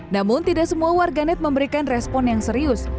namun tidak semua warganet memberikan respon yang serius